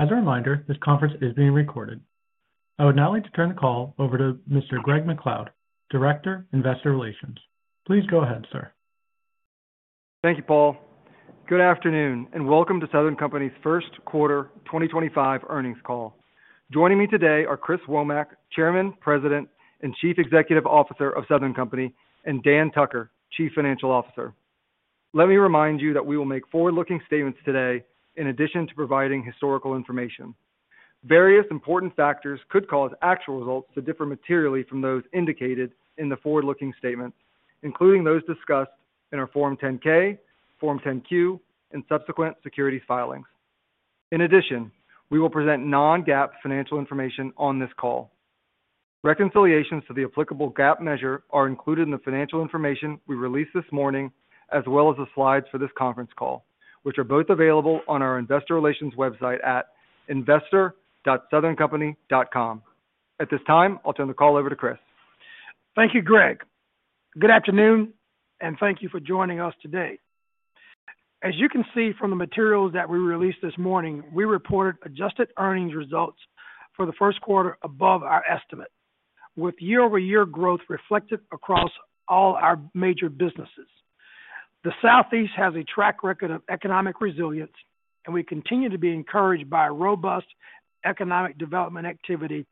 As a reminder, this conference is being recorded. I would now like to turn the call over to Mr. Greg MacLeod, Director, Investor Relations. Please go ahead, sir. Thank you, Paul. Good afternoon and welcome to Southern Company's first quarter 2025 earnings call. Joining me today are Chris Womack, Chairman, President, and Chief Executive Officer of Southern Company, and Dan Tucker, Chief Financial Officer. Let me remind you that we will make forward-looking statements today in addition to providing historical information. Various important factors could cause actual results to differ materially from those indicated in the forward-looking statements, including those discussed in our Form 10-K, Form 10-Q, and subsequent securities filings. In addition, we will present non-GAAP financial information on this call. Reconciliations to the applicable GAAP measure are included in the financial information we released this morning, as well as the slides for this conference call, which are both available on our Investor Relations website at investor.southerncompany.com. At this time, I'll turn the call over to Chris. Thank you, Greg. Good afternoon and thank you for joining us today. As you can see from the materials that we released this morning, we reported adjusted earnings results for the first quarter above our estimate, with year-over-year growth reflected across all our major businesses. The Southeast has a track record of economic resilience, and we continue to be encouraged by robust economic development activity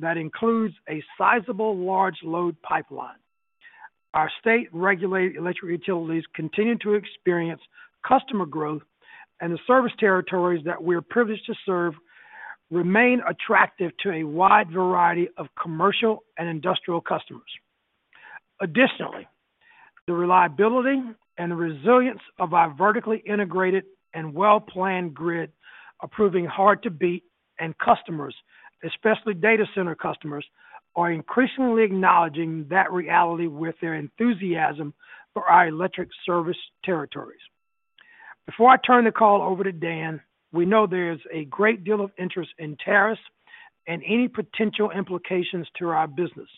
that includes a sizable large load pipeline. Our state-regulated electric utilities continue to experience customer growth, and the service territories that we are privileged to serve remain attractive to a wide variety of commercial and industrial customers. Additionally, the reliability and resilience of our vertically integrated and well-planned grid, proving hard-to-beat end customers, especially data center customers, are increasingly acknowledging that reality with their enthusiasm for our electric service territories. Before I turn the call over to Dan, we know there is a great deal of interest in tariffs and any potential implications to our business.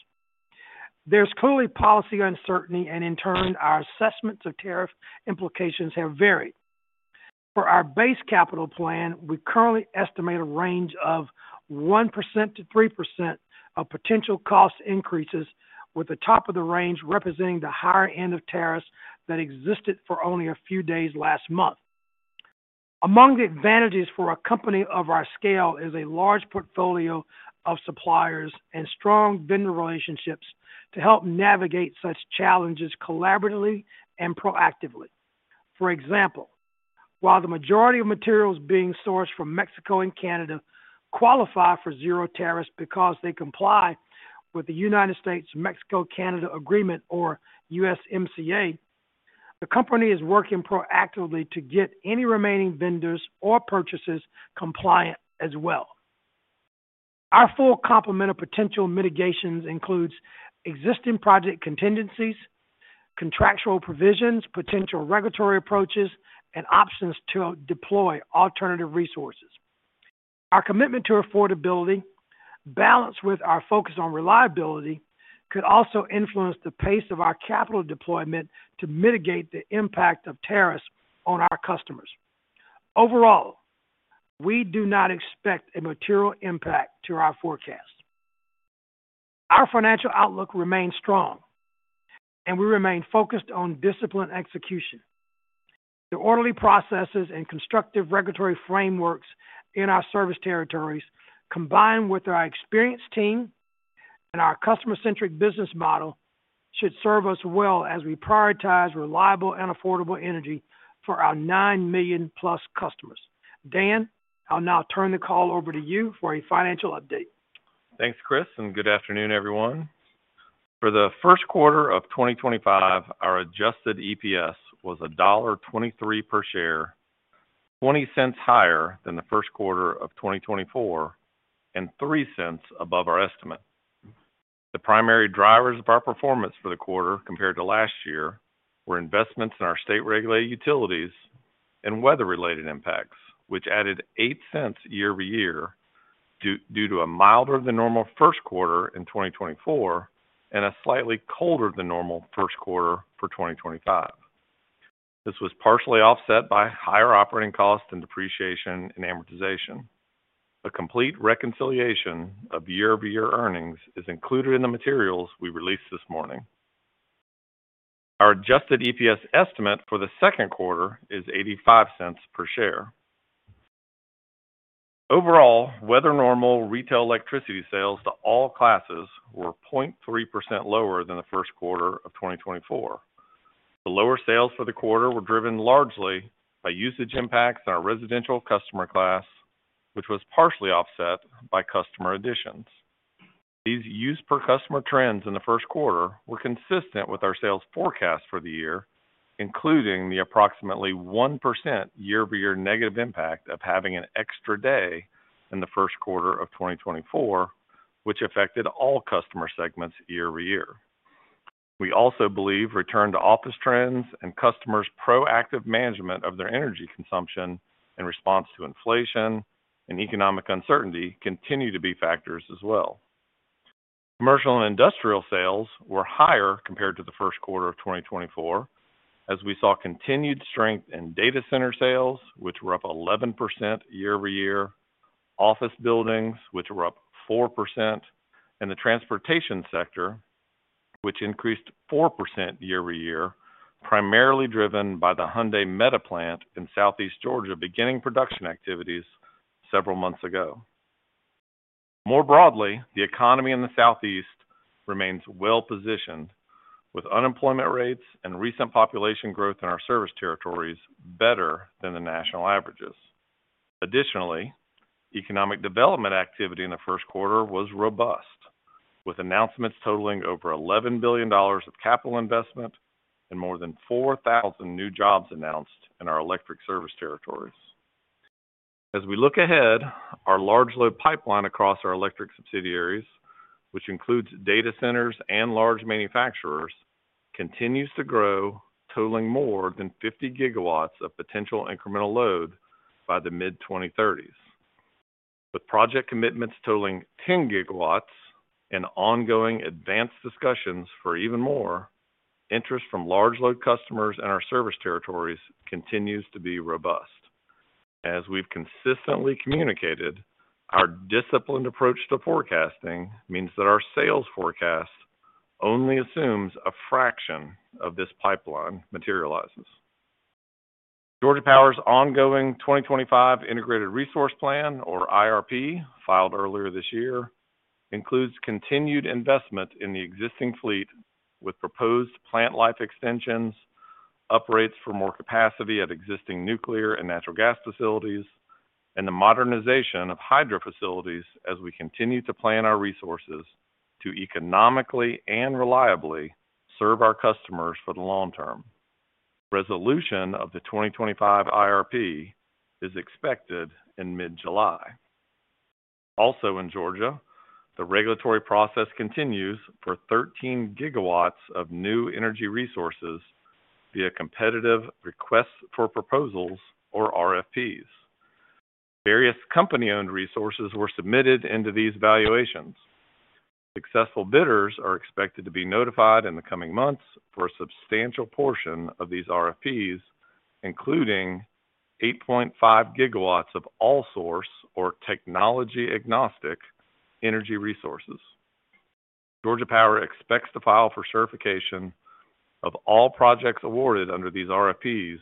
There's clearly policy uncertainty, and in turn, our assessments of tariff implications have varied. For our base capital plan, we currently estimate a range of 1%-3% of potential cost increases, with the top of the range representing the higher end of tariffs that existed for only a few days last month. Among the advantages for a company of our scale is a large portfolio of suppliers and strong vendor relationships to help navigate such challenges collaboratively and proactively. For example, while the majority of materials being sourced from Mexico and Canada qualify for zero tariffs because they comply with the United States-Mexico-Canada Agreement, or USMCA, the company is working proactively to get any remaining vendors or purchases compliant as well. Our full complement of potential mitigations includes existing project contingencies, contractual provisions, potential regulatory approaches, and options to deploy alternative resources. Our commitment to affordability, balanced with our focus on reliability, could also influence the pace of our capital deployment to mitigate the impact of tariffs on our customers. Overall, we do not expect a material impact to our forecast. Our financial outlook remains strong, and we remain focused on disciplined execution. The orderly processes and constructive regulatory frameworks in our service territories, combined with our experienced team and our customer-centric business model, should serve us well as we prioritize reliable and affordable energy for our 9 million-plus customers. Dan, I'll now turn the call over to you for a financial update. Thanks, Chris, and good afternoon, everyone. For the first quarter of 2025, our adjusted EPS was $1.23 per share, $0.20 higher than the first quarter of 2024, and $0.03 above our estimate. The primary drivers of our performance for the quarter compared to last year were investments in our state-regulated utilities and weather-related impacts, which added $0.08 year-over-year due to a milder-than-normal first quarter in 2024 and a slightly colder-than-normal first quarter for 2025. This was partially offset by higher operating costs and depreciation and amortization. A complete reconciliation of year-over-year earnings is included in the materials we released this morning. Our adjusted EPS estimate for the second quarter is $0.85 per share. Overall, weather-normal retail electricity sales to all classes were 0.3% lower than the first quarter of 2024. The lower sales for the quarter were driven largely by usage impacts in our residential customer class, which was partially offset by customer additions. These use-per-customer trends in the first quarter were consistent with our sales forecast for the year, including the approximately 1% year-over-year negative impact of having an extra day in the first quarter of 2024, which affected all customer segments year-over-year. We also believe return-to-office trends and customers' proactive management of their energy consumption in response to inflation and economic uncertainty continue to be factors as well. Commercial and industrial sales were higher compared to the first quarter of 2024, as we saw continued strength in data center sales, which were up 11% year-over-year, office buildings, which were up 4%, and the transportation sector, which increased 4% year-over-year, primarily driven by the Hyundai Metaplant in Southeast Georgia beginning production activities several months ago. More broadly, the economy in the Southeast remains well-positioned, with unemployment rates and recent population growth in our service territories better than the national averages. Additionally, economic development activity in the first quarter was robust, with announcements totaling over $11 billion of capital investment and more than 4,000 new jobs announced in our electric service territories. As we look ahead, our large load pipeline across our electric subsidiaries, which includes data centers and large manufacturers, continues to grow, totaling more than 50 gigawatts of potential incremental load by the mid-2030s. With project commitments totaling 10 gigawatts and ongoing advanced discussions for even more, interest from large load customers in our service territories continues to be robust. As we've consistently communicated, our disciplined approach to forecasting means that our sales forecast only assumes a fraction of this pipeline materializes. Georgia Power's ongoing 2025 Integrated Resource Plan, or IRP, filed earlier this year, includes continued investment in the existing fleet, with proposed plant life extensions, uprates for more capacity at existing nuclear and natural gas facilities, and the modernization of hydro facilities as we continue to plan our resources to economically and reliably serve our customers for the long term. Resolution of the 2025 IRP is expected in mid-July. Also in Georgia, the regulatory process continues for 13 gigawatts of new energy resources via competitive requests for proposals, or RFPs. Various company-owned resources were submitted into these valuations. Successful bidders are expected to be notified in the coming months for a substantial portion of these RFPs, including 8.5 gigawatts of all-source, or technology-agnostic, energy resources. Georgia Power expects to file for certification of all projects awarded under these RFPs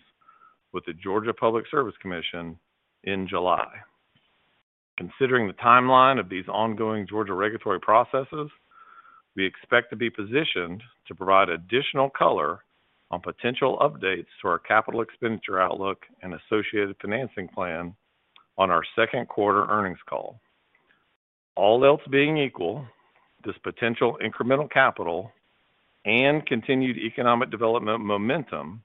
with the Georgia Public Service Commission in July. Considering the timeline of these ongoing Georgia regulatory processes, we expect to be positioned to provide additional color on potential updates to our capital expenditure outlook and associated financing plan on our second quarter earnings call. All else being equal, this potential incremental capital and continued economic development momentum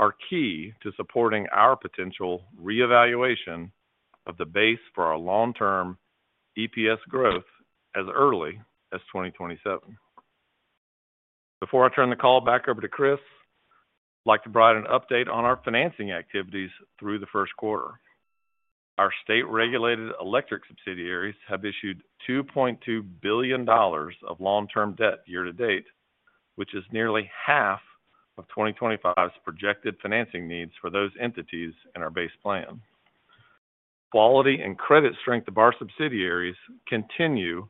are key to supporting our potential reevaluation of the base for our long-term EPS growth as early as 2027. Before I turn the call back over to Chris, I'd like to provide an update on our financing activities through the first quarter. Our state-regulated electric subsidiaries have issued $2.2 billion of long-term debt year-to-date, which is nearly half of 2025's projected financing needs for those entities in our base plan. Quality and credit strength of our subsidiaries continue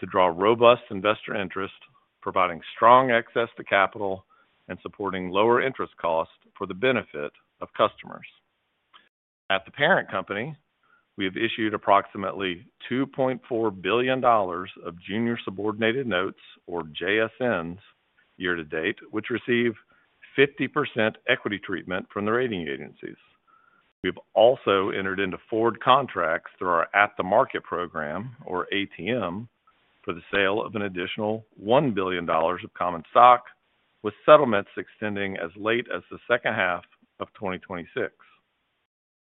to draw robust investor interest, providing strong access to capital and supporting lower interest costs for the benefit of customers. At the parent company, we have issued approximately $2.4 billion of junior subordinated notes, or JSNs, year-to-date, which receive 50% equity treatment from the rating agencies. We've also entered into forward contracts through our At the Market program, or ATM, for the sale of an additional $1 billion of common stock, with settlements extending as late as the second half of 2026.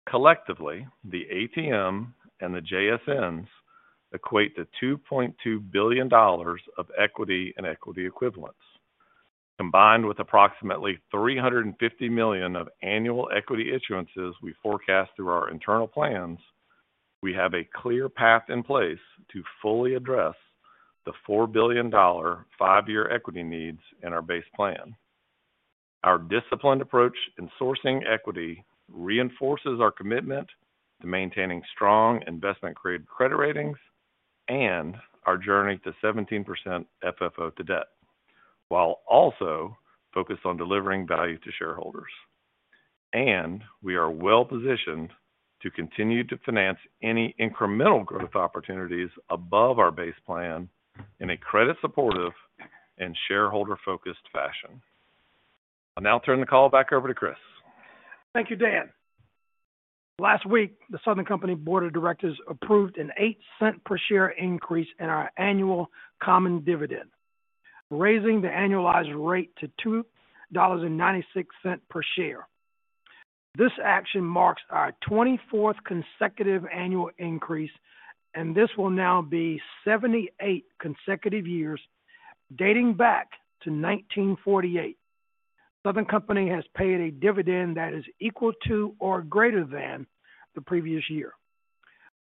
Collectively, the ATM and the JSNs equate to $2.2 billion of equity and equity equivalents. Combined with approximately $350 million of annual equity issuances we forecast through our internal plans, we have a clear path in place to fully address the $4 billion five-year equity needs in our base plan. Our disciplined approach in sourcing equity reinforces our commitment to maintaining strong investment-grade credit ratings and our journey to 17% FFO to debt, while also focused on delivering value to shareholders. We are well-positioned to continue to finance any incremental growth opportunities above our base plan in a credit-supportive and shareholder-focused fashion. I'll now turn the call back over to Chris. Thank you, Dan. Last week, the Southern Company Board of Directors approved an 8 cent per share increase in our annual common dividend, raising the annualized rate to $2.96 per share. This action marks our 24th consecutive annual increase, and this will now be 78 consecutive years dating back to 1948. Southern Company has paid a dividend that is equal to or greater than the previous year.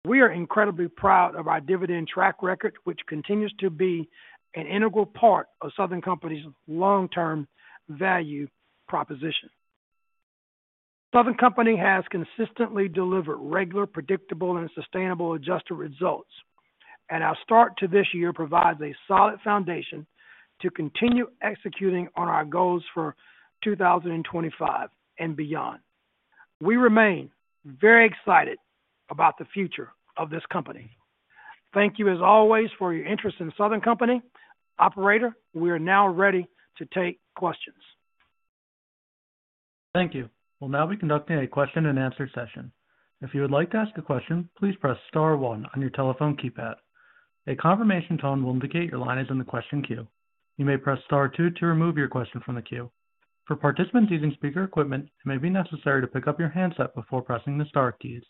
We are incredibly proud of our dividend track record, which continues to be an integral part of Southern Company's long-term value proposition. Southern Company has consistently delivered regular, predictable, and sustainable adjusted results, and our start to this year provides a solid foundation to continue executing on our goals for 2025 and beyond. We remain very excited about the future of this company. Thank you, as always, for your interest in Southern Company. Operator, we are now ready to take questions. Thank you. We'll now be conducting a question-and-answer session. If you would like to ask a question, please press star one on your telephone keypad. A confirmation tone will indicate your line is in the question queue. You may press star two to remove your question from the queue. For participants using speaker equipment, it may be necessary to pick up your handset before pressing the star keys.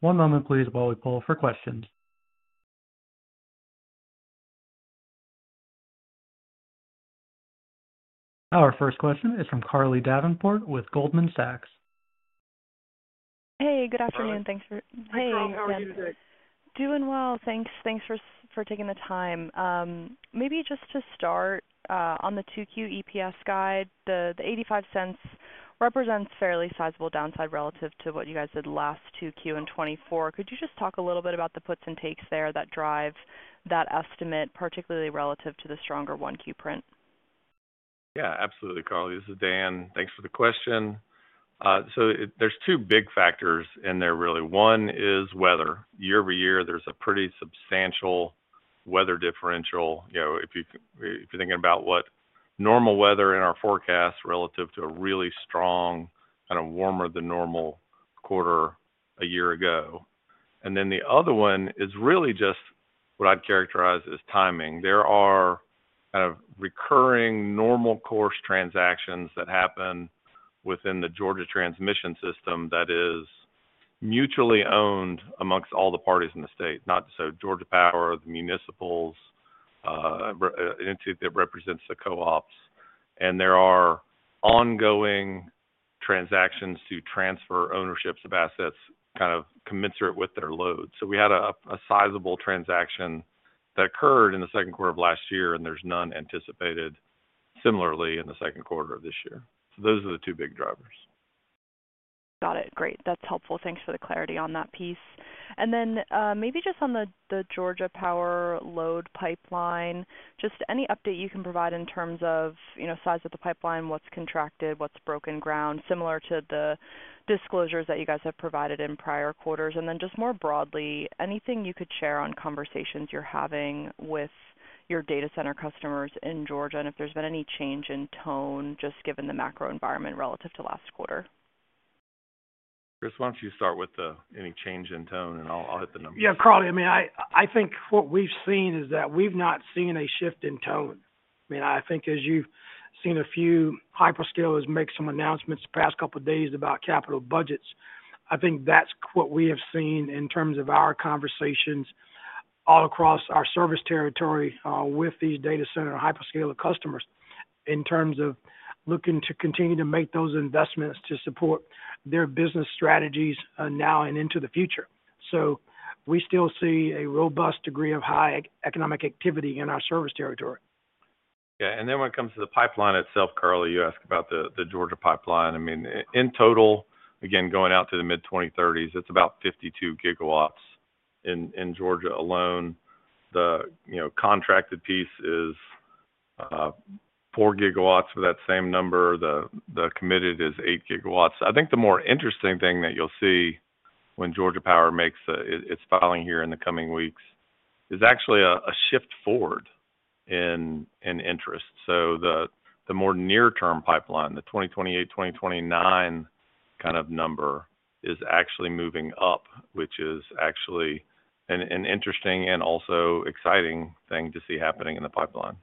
One moment, please, while we pull for questions. Our first question is from Carly Davenport with Goldman Sachs. Hey, good afternoon. Thanks for—hey. Hi, Carly. Doing well. Thanks. Thanks for taking the time. Maybe just to start, on the 2Q EPS guide, the $0.85 represents fairly sizable downside relative to what you guys did last 2Q in 2024. Could you just talk a little bit about the puts and takes there that drive that estimate, particularly relative to the stronger 1Q print? Yeah, absolutely, Carly. This is Dan. Thanks for the question. There are two big factors in there, really. One is weather. Year-over-year, there is a pretty substantial weather differential. If you are thinking about what normal weather in our forecast relative to a really strong, kind of warmer-than-normal quarter a year ago. The other one is really just what I would characterize as timing. There are kind of recurring normal-course transactions that happen within the Georgia transmission system that is mutually owned amongst all the parties in the state, not so Georgia Power, the municipals, an entity that represents the co-ops. There are ongoing transactions to transfer ownerships of assets kind of commensurate with their load. We had a sizable transaction that occurred in the second quarter of last year, and there is none anticipated similarly in the second quarter of this year. Those are the two big drivers. Got it. Great. That's helpful. Thanks for the clarity on that piece. Maybe just on the Georgia Power load pipeline, just any update you can provide in terms of size of the pipeline, what's contracted, what's broken ground, similar to the disclosures that you guys have provided in prior quarters. Just more broadly, anything you could share on conversations you're having with your data center customers in Georgia and if there's been any change in tone, just given the macro environment relative to last quarter? Chris, why don't you start with any change in tone, and I'll hit the numbers. Yeah, Carly, I mean, I think what we've seen is that we've not seen a shift in tone. I mean, I think as you've seen a few hyperscalers make some announcements the past couple of days about capital budgets, I think that's what we have seen in terms of our conversations all across our service territory with these data center hyperscaler customers in terms of looking to continue to make those investments to support their business strategies now and into the future. We still see a robust degree of high economic activity in our service territory. Yeah. When it comes to the pipeline itself, Carly, you asked about the Georgia pipeline. I mean, in total, again, going out to the mid-2030s, it is about 52 gigawatts in Georgia alone. The contracted piece is 4 gigawatts for that same number. The committed is 8 gigawatts. I think the more interesting thing that you will see when Georgia Power makes its filing here in the coming weeks is actually a shift forward in interest. The more near-term pipeline, the 2028, 2029 kind of number, is actually moving up, which is actually an interesting and also exciting thing to see happening in the pipeline.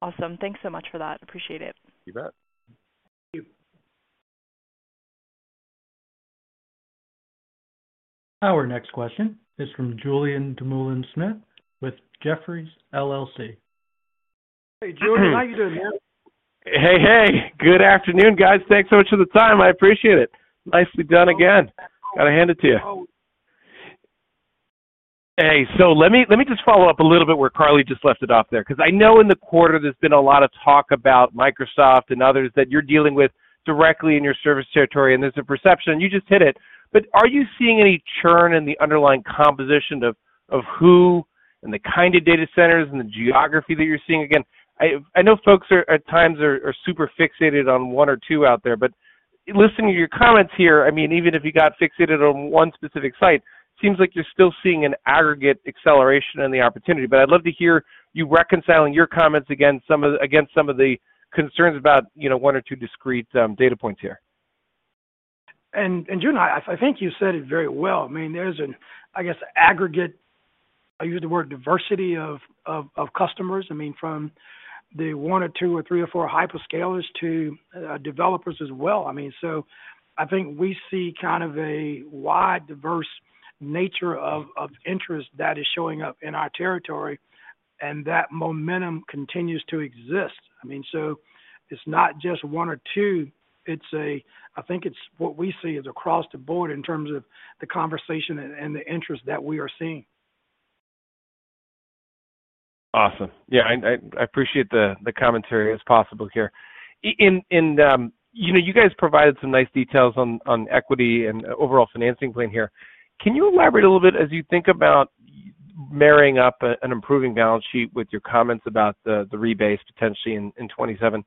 Awesome. Thanks so much for that. Appreciate it. You bet. Thank you. Our next question is from Julien Patrick Dumoulin-Smith with Jefferies. Hey, Julian. How are you doing, man? Hey, hey. Good afternoon, guys. Thanks so much for the time. I appreciate it. Nicely done again. Got to hand it to you. Let me just follow up a little bit where Carly just left it off there. Because I know in the quarter there's been a lot of talk about Microsoft and others that you're dealing with directly in your service territory. There's a perception—you just hit it—but are you seeing any churn in the underlying composition of who and the kind of data centers and the geography that you're seeing? I know folks at times are super fixated on one or two out there. Listening to your comments here, I mean, even if you got fixated on one specific site, it seems like you're still seeing an aggregate acceleration in the opportunity. I'd love to hear you reconciling your comments against some of the concerns about one or two discrete data points here. Julian, I think you said it very well. I mean, there is an, I guess, aggregate—I use the word diversity—of customers. I mean, from the one or two or three or four hyperscalers to developers as well. I mean, so I think we see kind of a wide, diverse nature of interest that is showing up in our territory, and that momentum continues to exist. I mean, so it is not just one or two. I think what we see is across the board in terms of the conversation and the interest that we are seeing. Awesome. Yeah, I appreciate the commentary as possible here. You guys provided some nice details on equity and overall financing plan here. Can you elaborate a little bit as you think about marrying up an improving balance sheet with your comments about the rebates potentially in 2027?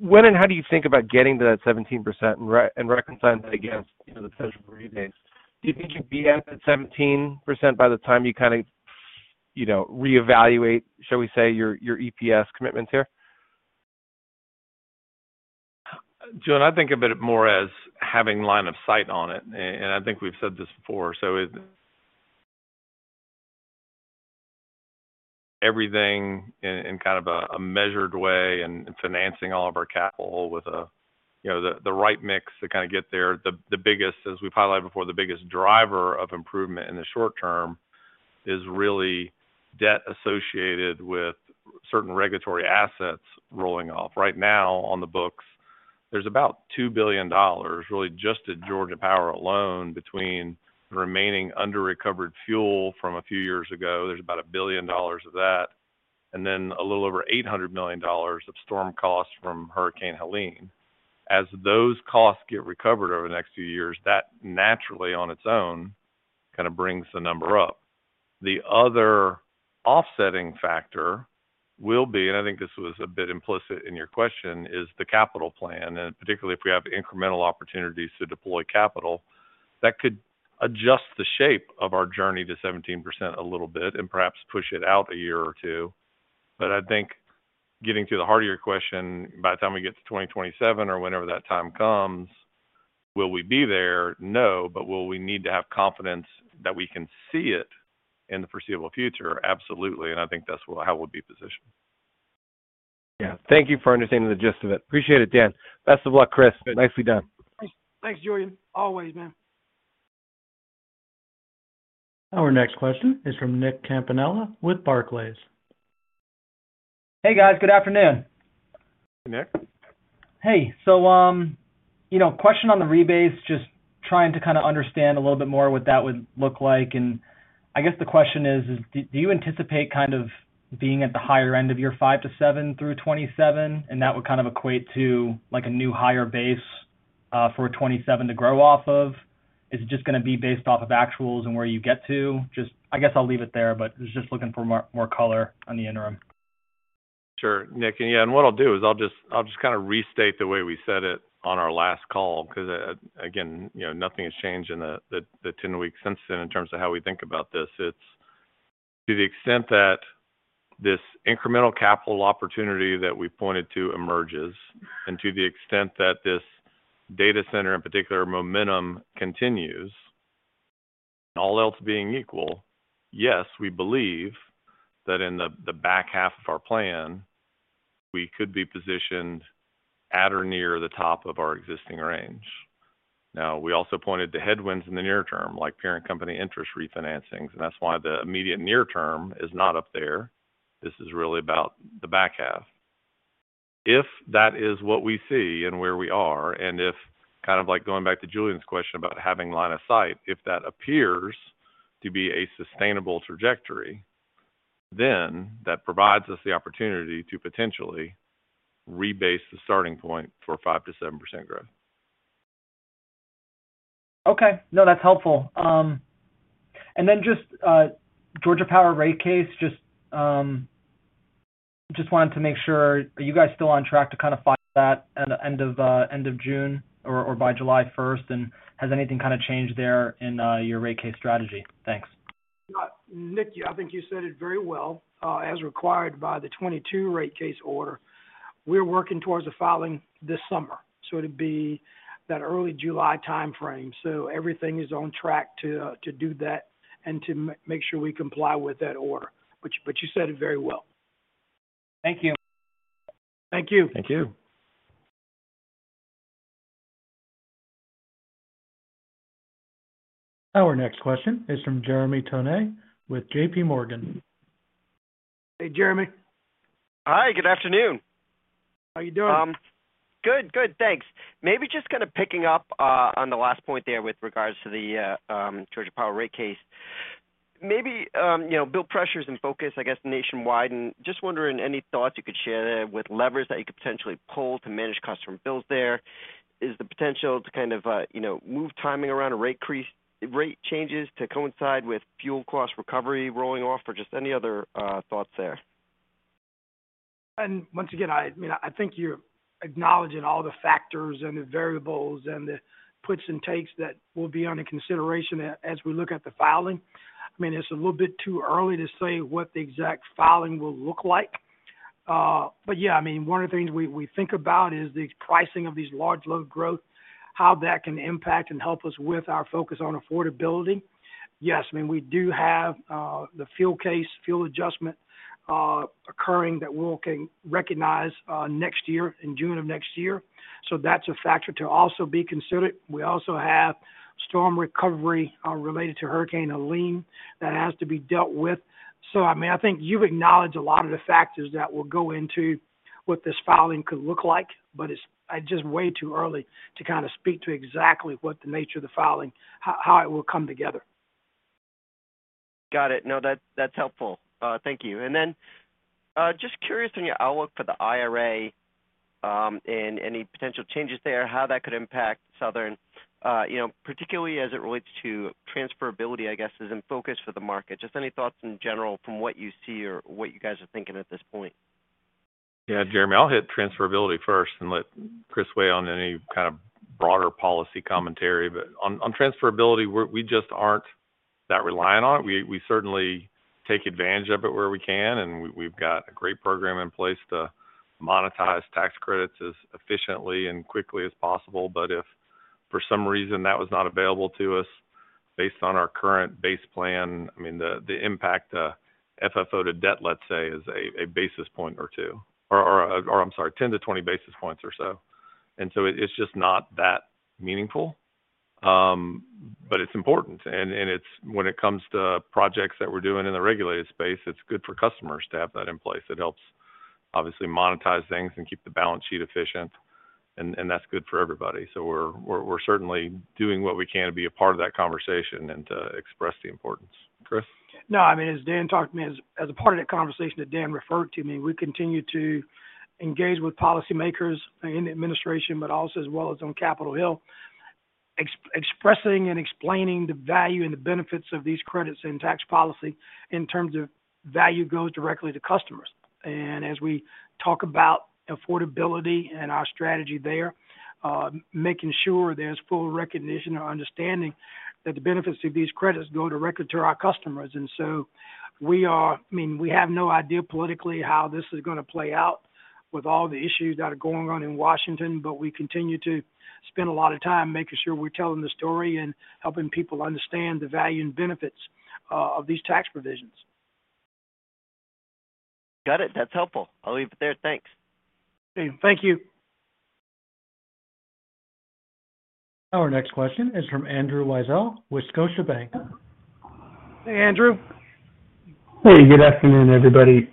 When and how do you think about getting to that 17% and reconciling that against the potential for rebates? Do you think you'd be at that 17% by the time you kind of reevaluate, shall we say, your EPS commitments here? Julian, I think of it more as having line of sight on it. I think we've said this before. Everything in kind of a measured way and financing all of our capital with the right mix to kind of get there. The biggest, as we've highlighted before, the biggest driver of improvement in the short term is really debt associated with certain regulatory assets rolling off. Right now, on the books, there's about $2 billion, really, just to Georgia Power alone between the remaining under-recovered fuel from a few years ago. There's about $1 billion of that. Then a little over $800 million of storm costs from Hurricane Helene. As those costs get recovered over the next few years, that naturally, on its own, kind of brings the number up. The other offsetting factor will be, and I think this was a bit implicit in your question, is the capital plan, and particularly if we have incremental opportunities to deploy capital. That could adjust the shape of our journey to 17% a little bit and perhaps push it out a year or two. I think getting to the heart of your question, by the time we get to 2027 or whenever that time comes, will we be there? No. Will we need to have confidence that we can see it in the foreseeable future? Absolutely. I think that's how we'll be positioned. Yeah. Thank you for understanding the gist of it. Appreciate it, Dan. Best of luck, Chris. Nicely done. Thanks, Julian. Always, man. Our next question is from Nick Campanella with Barclays. Hey, guys. Good afternoon. Hey, Nick. Hey. Question on the rebates, just trying to kind of understand a little bit more what that would look like. I guess the question is, do you anticipate kind of being at the higher end of your 5-7 through 2027? That would kind of equate to a new higher base for 2027 to grow off of. Is it just going to be based off of actuals and where you get to? I guess I'll leave it there, just looking for more color on the interim. Sure, Nick. Yeah, what I'll do is I'll just kind of restate the way we said it on our last call. Because again, nothing has changed in the 10 weeks since then in terms of how we think about this. It's to the extent that this incremental capital opportunity that we pointed to emerges and to the extent that this data center, in particular, momentum continues, and all else being equal, yes, we believe that in the back half of our plan, we could be positioned at or near the top of our existing range. We also pointed to headwinds in the near term, like parent company interest refinancings. That's why the immediate near term is not up there. This is really about the back half. If that is what we see and where we are, and if kind of like going back to Julian's question about having line of sight, if that appears to be a sustainable trajectory, then that provides us the opportunity to potentially rebase the starting point for 5-7% growth. Okay. No, that's helpful. Just Georgia Power rate case, just wanted to make sure are you guys still on track to kind of file that at the end of June or by July 1? Has anything kind of changed there in your rate case strategy? Thanks. Nick, I think you said it very well. As required by the 2022 rate case order, we're working towards a filing this summer. It would be that early July timeframe. Everything is on track to do that and to make sure we comply with that order. You said it very well. Thank you. Thank you. Thank you. Our next question is from Jeremy Tonet with JPMorgan. Hey, Jeremy. Hi. Good afternoon. How are you doing? Good. Good. Thanks. Maybe just kind of picking up on the last point there with regards to the Georgia Power rate case. Maybe bill pressures and focus, I guess, nationwide. Just wondering any thoughts you could share there with levers that you could potentially pull to manage customer bills there. Is the potential to kind of move timing around rate changes to coincide with fuel cost recovery rolling off or just any other thoughts there? Once again, I mean, I think you're acknowledging all the factors and the variables and the puts and takes that will be under consideration as we look at the filing. I mean, it's a little bit too early to say what the exact filing will look like. Yeah, I mean, one of the things we think about is the pricing of these large load growth, how that can impact and help us with our focus on affordability. Yes, I mean, we do have the fuel case, fuel adjustment occurring that we'll recognize next year in June of next year. That's a factor to also be considered. We also have storm recovery related to Hurricane Helene that has to be dealt with. I mean, I think you've acknowledged a lot of the factors that will go into what this filing could look like. It is just way too early to kind of speak to exactly what the nature of the filing, how it will come together. Got it. No, that's helpful. Thank you. Just curious on your outlook for the IRA and any potential changes there, how that could impact Southern, particularly as it relates to transferability, I guess, as in focus for the market. Just any thoughts in general from what you see or what you guys are thinking at this point? Yeah, Jeremy, I'll hit transferability first and let Chris weigh on any kind of broader policy commentary. On transferability, we just aren't that reliant on it. We certainly take advantage of it where we can. We've got a great program in place to monetize tax credits as efficiently and quickly as possible. If for some reason that was not available to us based on our current base plan, I mean, the impact FFO to debt, let's say, is a basis point or two. Or, I'm sorry, 10-20 basis points or so. It's just not that meaningful. It's important. When it comes to projects that we're doing in the regulated space, it's good for customers to have that in place. It helps, obviously, monetize things and keep the balance sheet efficient. That's good for everybody. We're certainly doing what we can to be a part of that conversation and to express the importance. Chris? No, I mean, as Dan talked to me, as a part of that conversation that Dan referred to, I mean, we continue to engage with policymakers in the administration, but also as well as on Capitol Hill, expressing and explaining the value and the benefits of these credits and tax policy in terms of value goes directly to customers. As we talk about affordability and our strategy there, making sure there's full recognition or understanding that the benefits of these credits go directly to our customers. We have no idea politically how this is going to play out with all the issues that are going on in Washington. We continue to spend a lot of time making sure we're telling the story and helping people understand the value and benefits of these tax provisions. Got it. That's helpful. I'll leave it there. Thanks. Thank you. Our next question is from Andrew Weisel with Scotiabank. Hey, Andrew. Hey, good afternoon, everybody.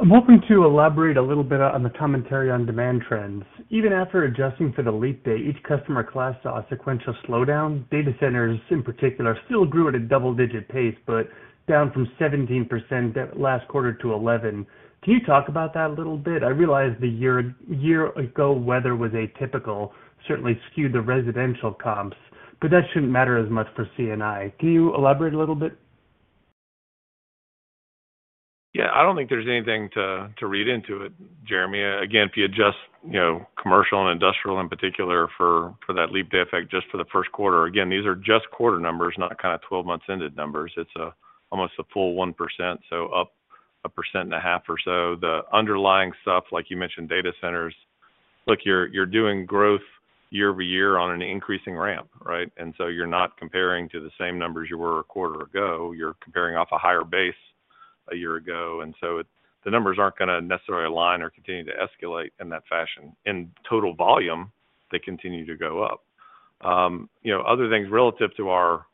I'm hoping to elaborate a little bit on the commentary on demand trends. Even after adjusting for the leap day, each customer class saw a sequential slowdown. Data centers, in particular, still grew at a double-digit pace, but down from 17% last quarter to 11%. Can you talk about that a little bit? I realize the year-ago weather was atypical, certainly skewed the residential comps. That shouldn't matter as much for CNI. Can you elaborate a little bit? Yeah. I do not think there is anything to read into it, Jeremy. Again, if you adjust commercial and industrial in particular for that leap day effect just for the first quarter, again, these are just quarter numbers, not kind of 12-months-ended numbers. It is almost a full 1%, so up a percent and a half or so. The underlying stuff, like you mentioned, data centers, look, you are doing growth year-over-year on an increasing ramp, right? You are not comparing to the same numbers you were a quarter ago. You are comparing off a higher base a year ago. The numbers are not going to necessarily align or continue to escalate in that fashion. In total volume, they continue to go up. Other things relative to our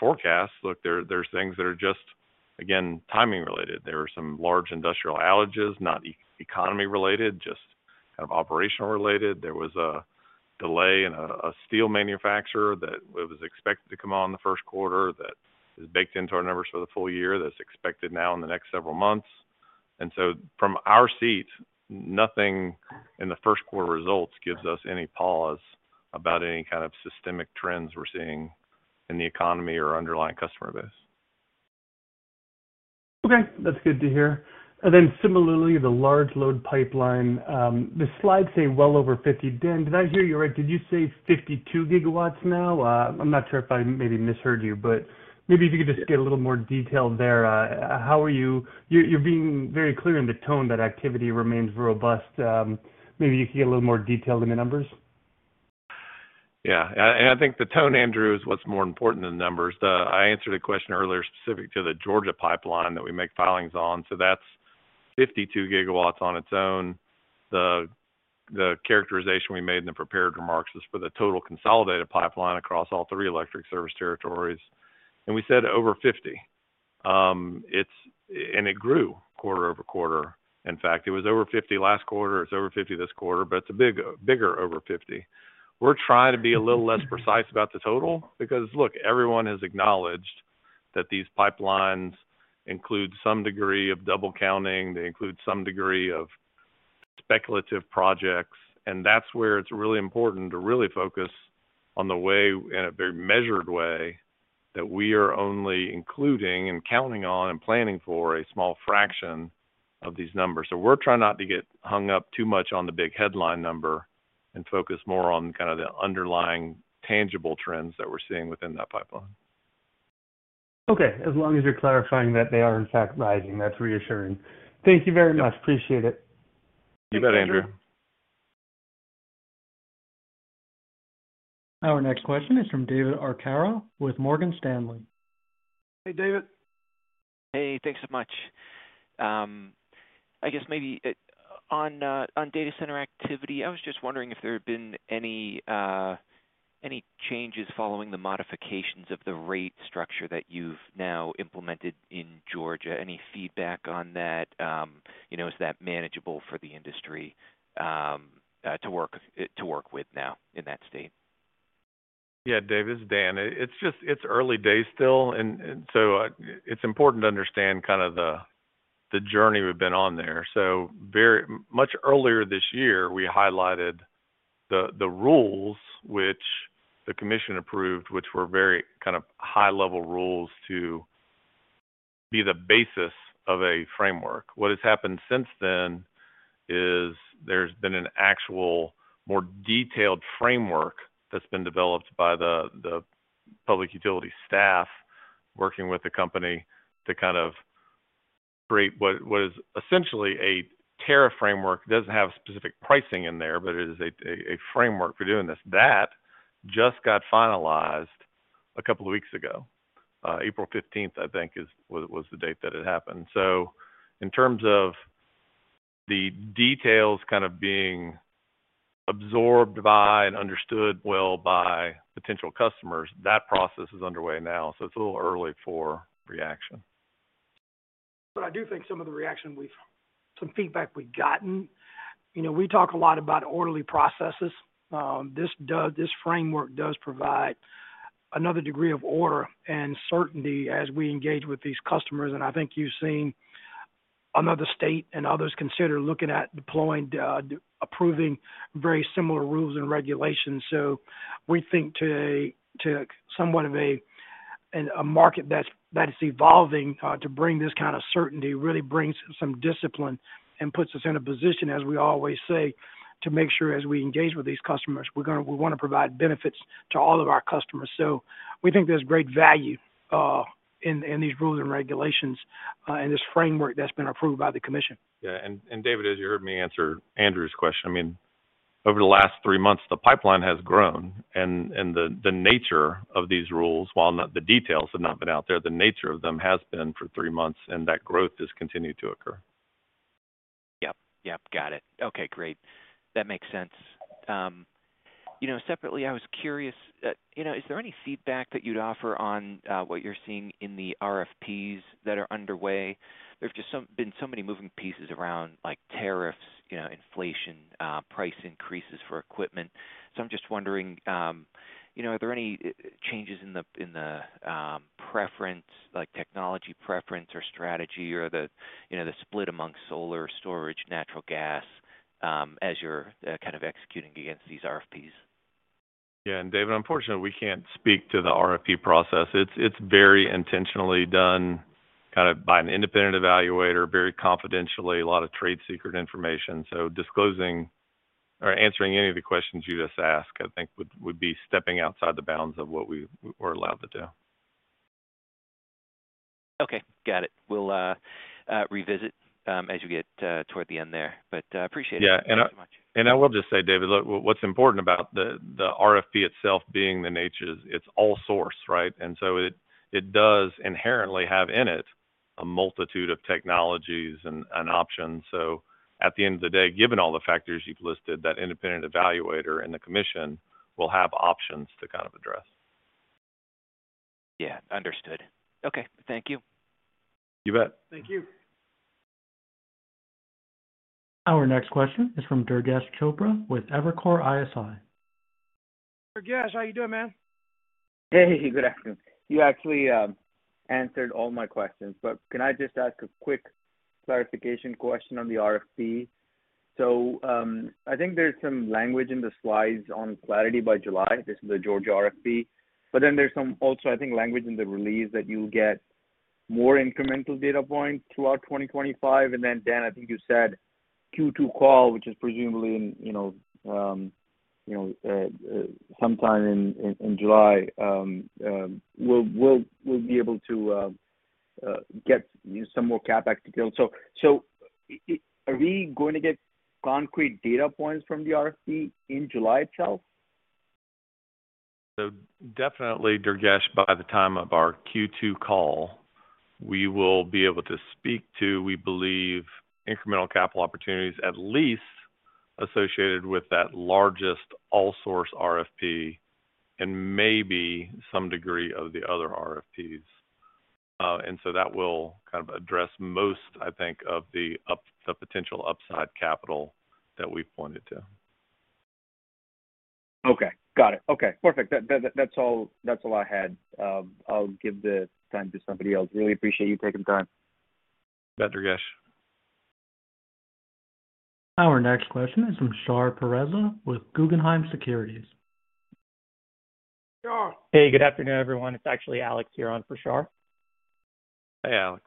forecast, look, there are things that are just, again, timing-related. There are some large industrial outages, not economy-related, just kind of operational-related. There was a delay in a steel manufacturer that was expected to come on the first quarter that is baked into our numbers for the full year. That is expected now in the next several months. From our seat, nothing in the first quarter results gives us any pause about any kind of systemic trends we are seeing in the economy or underlying customer base. Okay. That's good to hear. Similarly, the large load pipeline, the slides say well over 50. Dan, did I hear you right? Did you say 52 gigawatts now? I'm not sure if I maybe misheard you. Maybe if you could just get a little more detail there. How are you? You're being very clear in the tone that activity remains robust. Maybe you could get a little more detail in the numbers. Yeah. I think the tone, Andrew, is what's more important than the numbers. I answered a question earlier specific to the Georgia pipeline that we make filings on. That is 52 gigawatts on its own. The characterization we made in the prepared remarks is for the total consolidated pipeline across all three electric service territories. We said over 50. It grew quarter over quarter. In fact, it was over 50 last quarter. It is over 50 this quarter. It is a bigger over 50. We are trying to be a little less precise about the total. Because look, everyone has acknowledged that these pipelines include some degree of double counting. They include some degree of speculative projects. It is really important to really focus on the way, in a very measured way, that we are only including and counting on and planning for a small fraction of these numbers. We are trying not to get hung up too much on the big headline number and focus more on kind of the underlying tangible trends that we are seeing within that pipeline. Okay. As long as you're clarifying that they are, in fact, rising, that's reassuring. Thank you very much. Appreciate it. You bet, Andrew. Our next question is from David Arcaro with Morgan Stanley. Hey, David. Hey. Thanks so much. I guess maybe on data center activity, I was just wondering if there had been any changes following the modifications of the rate structure that you've now implemented in Georgia. Any feedback on that? Is that manageable for the industry to work with now in that state? Yeah, David, it's Dan. It's early days still. It's important to understand kind of the journey we've been on there. Much earlier this year, we highlighted the rules which the commission approved, which were very kind of high-level rules to be the basis of a framework. What has happened since then is there's been an actual more detailed framework that's been developed by the public utility staff working with the company to kind of create what is essentially a tariff framework. It doesn't have specific pricing in there, but it is a framework for doing this. That just got finalized a couple of weeks ago. April 15th, I think, was the date that it happened. In terms of the details kind of being absorbed by and understood well by potential customers, that process is underway now. It's a little early for reaction. I do think some of the reaction, some feedback we've gotten, we talk a lot about orderly processes. This framework does provide another degree of order and certainty as we engage with these customers. I think you've seen another state and others consider looking at deploying, approving very similar rules and regulations. We think to somewhat of a market that's evolving to bring this kind of certainty really brings some discipline and puts us in a position, as we always say, to make sure as we engage with these customers, we want to provide benefits to all of our customers. We think there's great value in these rules and regulations and this framework that's been approved by the commission. Yeah. David, as you heard me answer Andrew's question, I mean, over the last three months, the pipeline has grown. The nature of these rules, while the details have not been out there, the nature of them has been for three months. That growth has continued to occur. Yep. Yep. Got it. Okay. Great. That makes sense. Separately, I was curious, is there any feedback that you'd offer on what you're seeing in the RFPs that are underway? There have just been so many moving pieces around like tariffs, inflation, price increases for equipment. I'm just wondering, are there any changes in the preference, like technology preference or strategy or the split among solar storage, natural gas as you're kind of executing against these RFPs? Yeah. David, unfortunately, we can't speak to the RFP process. It's very intentionally done kind of by an independent evaluator, very confidentially, a lot of trade secret information. Disclosing or answering any of the questions you just asked, I think, would be stepping outside the bounds of what we were allowed to do. Okay. Got it. We'll revisit as we get toward the end there. Appreciate it. Yeah. I will just say, David, look, what's important about the RFP itself being the nature is it's all source, right? It does inherently have in it a multitude of technologies and options. At the end of the day, given all the factors you've listed, that independent evaluator and the commission will have options to kind of address. Yeah. Understood. Okay. Thank you. You bet. Thank you. Our next question is from Durgesh Chopra with Evercore ISI. Durgesh, how you doing, man? Hey. Good afternoon. You actually answered all my questions. Can I just ask a quick clarification question on the RFP? I think there is some language in the slides on clarity by July. This is the Georgia RFP. I think there is also some language in the release that you will get more incremental data points throughout 2025. Dan, I think you said Q2 call, which is presumably sometime in July, we will be able to get some more CapEx details. Are we going to get concrete data points from the RFP in July itself? Definitely, Durgesh, by the time of our Q2 call, we will be able to speak to, we believe, incremental capital opportunities at least associated with that largest all-source RFP and maybe some degree of the other RFPs. That will kind of address most, I think, of the potential upside capital that we've pointed to. Okay. Got it. Okay. Perfect. That's all I had. I'll give the time to somebody else. Really appreciate you taking the time. You bet, Durgesh. Our next question is from Shar Pourreza with Guggenheim Securities. Shar. Hey. Good afternoon, everyone. It's actually Alex here on for Shar. Hey, Alex.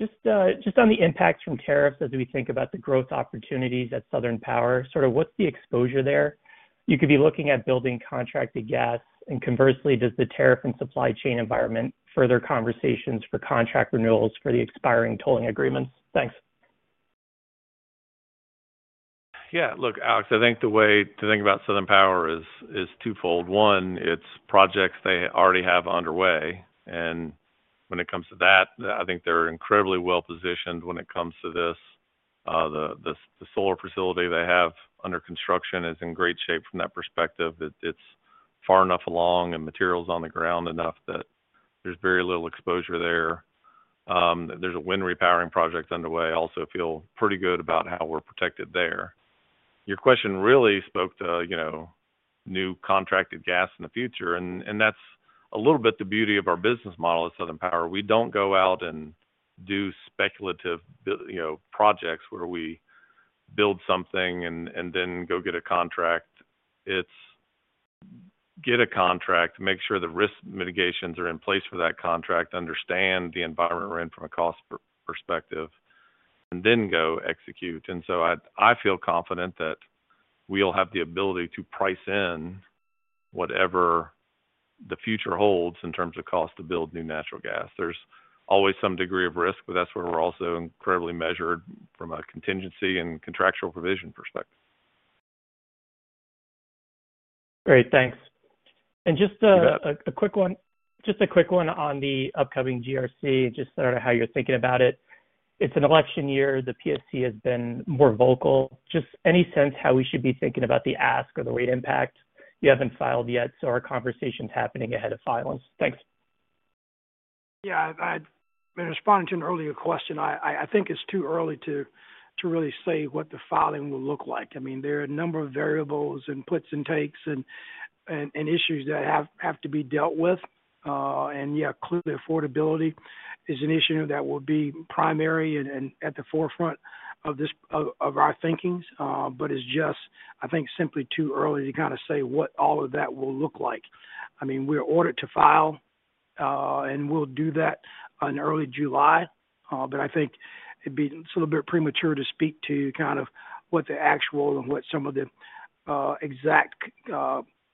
Just on the impacts from tariffs as we think about the growth opportunities at Southern Power, sort of what's the exposure there? You could be looking at building contracted gas. Conversely, does the tariff and supply chain environment further conversations for contract renewals for the expiring tolling agreements? Thanks. Yeah. Look, Alex, I think the way to think about Southern Power is twofold. One, it's projects they already have underway. When it comes to that, I think they're incredibly well-positioned when it comes to this. The solar facility they have under construction is in great shape from that perspective. It's far enough along and materials on the ground enough that there's very little exposure there. There's a wind repowering project underway. I also feel pretty good about how we're protected there. Your question really spoke to new contracted gas in the future. That's a little bit the beauty of our business model at Southern Power. We don't go out and do speculative projects where we build something and then go get a contract. It's get a contract, make sure the risk mitigations are in place for that contract, understand the environment we're in from a cost perspective, and then go execute. I feel confident that we'll have the ability to price in whatever the future holds in terms of cost to build new natural gas. There's always some degree of risk, but that's where we're also incredibly measured from a contingency and contractual provision perspective. Great. Thanks. Just a quick one on the upcoming GRC and just sort of how you're thinking about it. It's an election year. The PSC has been more vocal. Just any sense how we should be thinking about the ask or the rate impact? You haven't filed yet, so our conversation's happening ahead of filings. Thanks. Yeah. In responding to an earlier question, I think it's too early to really say what the filing will look like. I mean, there are a number of variables and puts and takes and issues that have to be dealt with. Yeah, clearly, affordability is an issue that will be primary and at the forefront of our thinkings. It's just, I think, simply too early to kind of say what all of that will look like. I mean, we're ordered to file, and we'll do that in early July. I think it'd be a little bit premature to speak to kind of what the actual and what some of the exact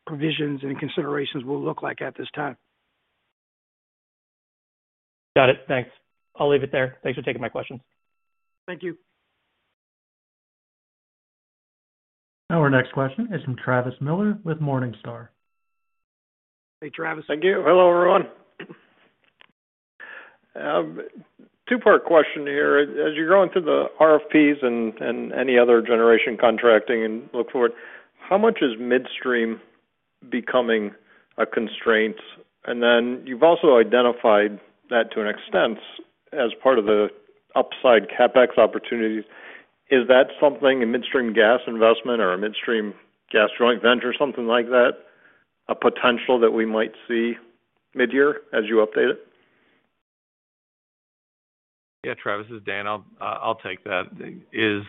provisions and considerations will look like at this time. Got it. Thanks. I'll leave it there. Thanks for taking my questions. Thank you. Our next question is from Travis Miller with Morningstar. Hey, Travis. Thank you. Hello, everyone. Two-part question here. As you're going through the RFPs and any other generation contracting and look forward, how much is midstream becoming a constraint? You have also identified that to an extent as part of the upside CapEx opportunities. Is that something in midstream gas investment or a midstream gas joint venture, something like that, a potential that we might see midyear as you update it? Yeah. Travis, this is Dan. I'll take that. Is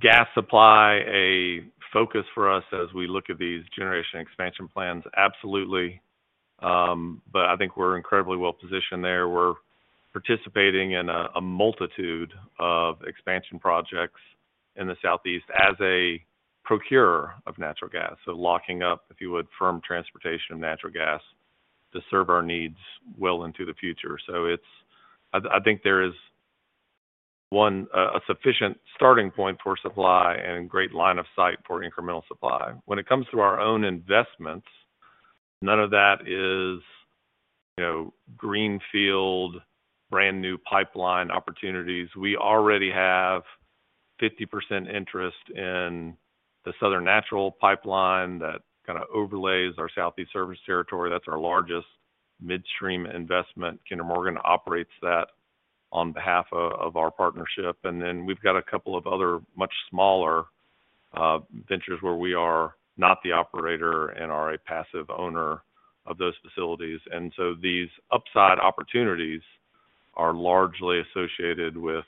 gas supply a focus for us as we look at these generation expansion plans? Absolutely. I think we're incredibly well-positioned there. We're participating in a multitude of expansion projects in the Southeast as a procurer of natural gas. Locking up, if you would, firm transportation of natural gas to serve our needs well into the future. I think there is a sufficient starting point for supply and a great line of sight for incremental supply. When it comes to our own investments, none of that is greenfield, brand new pipeline opportunities. We already have 50% interest in the Southern Natural Gas Pipeline that kind of overlays our Southeast service territory. That's our largest midstream investment. Kinder Morgan operates that on behalf of our partnership. We have a couple of other much smaller ventures where we are not the operator and are a passive owner of those facilities. These upside opportunities are largely associated with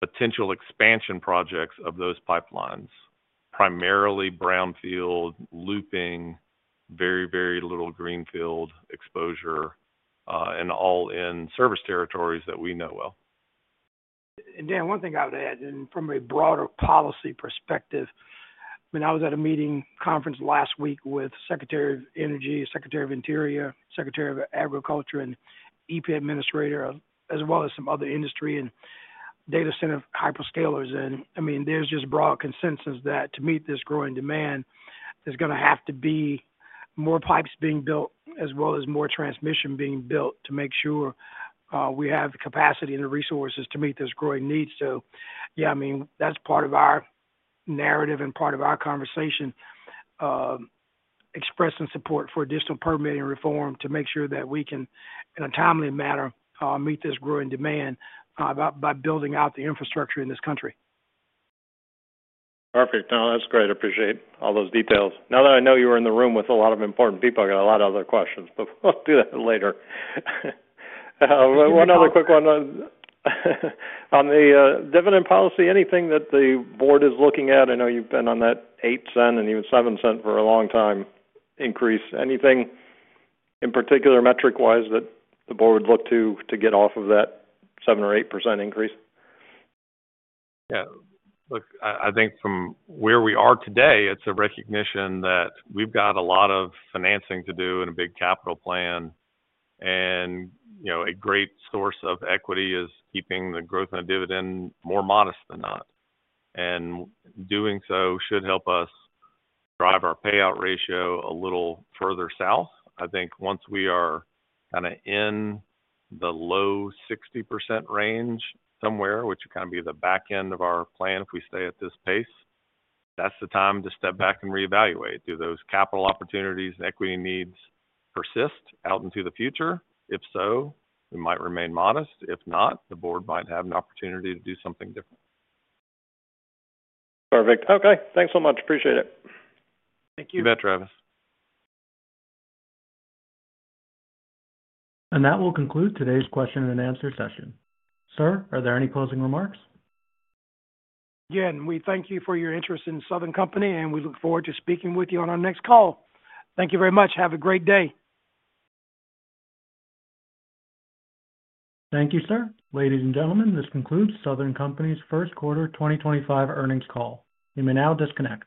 potential expansion projects of those pipelines, primarily brownfield looping, very, very little greenfield exposure, and all in service territories that we know well. Dan, one thing I would add, and from a broader policy perspective, I mean, I was at a meeting conference last week with Secretary of Energy, Secretary of Interior, Secretary of Agriculture, and EPA Administrator, as well as some other industry and data center hyperscalers. I mean, there is just broad consensus that to meet this growing demand, there is going to have to be more pipes being built as well as more transmission being built to make sure we have the capacity and the resources to meet this growing need. Yeah, I mean, that is part of our narrative and part of our conversation, expressing support for additional permitting reform to make sure that we can, in a timely manner, meet this growing demand by building out the infrastructure in this country. Perfect. No, that's great. I appreciate all those details. Now that I know you were in the room with a lot of important people, I got a lot of other questions, but we'll do that later. One other quick one. On the dividend policy, anything that the board is looking at? I know you've been on that 8 cent and even 7 cent for a long time increase. Anything in particular metric-wise that the board would look to get off of that 7 or 8% increase? Yeah. Look, I think from where we are today, it's a recognition that we've got a lot of financing to do and a big capital plan. A great source of equity is keeping the growth and dividend more modest than not. Doing so should help us drive our payout ratio a little further south. I think once we are kind of in the low 60% range somewhere, which would kind of be the back end of our plan if we stay at this pace, that's the time to step back and reevaluate. Do those capital opportunities and equity needs persist out into the future? If so, we might remain modest. If not, the board might have an opportunity to do something different. Perfect. Okay. Thanks so much. Appreciate it. Thank you. You bet, Travis. That will conclude today's question and answer session. Sir, are there any closing remarks? Again, we thank you for your interest in Southern Company, and we look forward to speaking with you on our next call. Thank you very much. Have a great day. Thank you, sir. Ladies and gentlemen, this concludes Southern Company's first quarter 2025 earnings call. You may now disconnect.